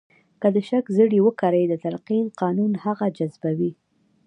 که د شک زړي وکرئ د تلقین قانون هغه جذبوي